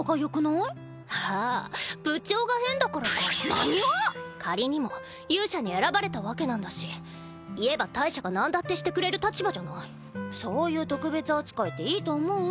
ああ部長が変だからか何を⁉仮にも勇者に選ばれたわけなんだし言えば大赦がなんだってしてくれる立場じゃないそういう特別扱いっていいと思う？